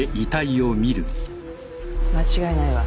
間違いないわ。